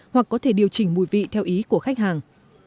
hoặc có thể điều chỉnh mùi vị theo ý của khách hàng